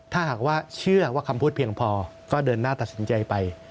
ถ้าหากว่าเชื่อว่าคำพูดเพียงพอก็เดินหน้าตัดสินใจไป